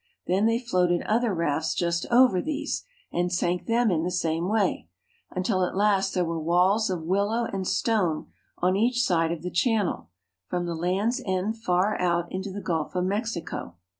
Then they floated other rafts just over these, and sank them in the same way, until at last there were walls of w^illow and stone on each side of the channel, from the land's end far out into the Gulf of Mexico.